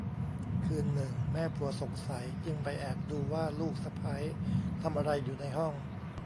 คืนหนึ่งแม่ผัวสงสัยจึงไปแอบดูว่าลูกสะใภ้ทำอะไรอยู่ในห้อง